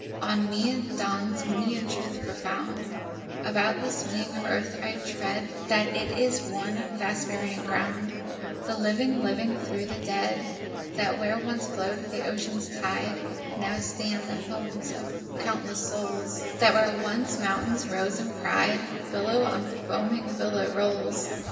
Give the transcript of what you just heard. On me dawns many a truth profound About the swinging earth I tread, That it is one vast burying ground, The living living through the dead, That where once flowed the ocean's tide, Now stand the homes of countless souls; That where once mountains rose in pride, Billow on foaming billow rolls.